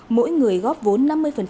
mỗi người góp vốn năm mươi